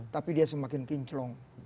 tapi dia semakin kinclong